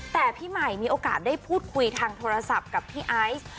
แต่พี่ใหม่มีโอกาสได้พูดคุยทางโทรศัพท์กับพี่ไอซ์